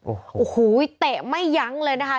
โอ้โหเตะไม่ยั้งเลยนะคะ